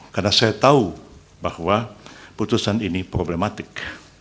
karena saya tahu bahwa putusan ini problematik